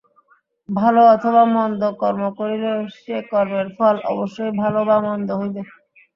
ভাল অথবা মন্দ কর্ম করিলে ঐ কর্মের ফল অবশ্যই ভাল বা মন্দ হইবে।